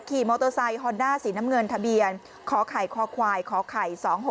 ขี่มอเตอร์ไซค์ฮอนด้าสีน้ำเงินทะเบียนขอไข่คควายขอไข่๒๖๖